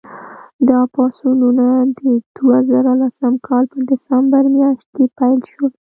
دا پاڅونونه د دوه زره لسم کال په ډسمبر میاشت کې پیل شول.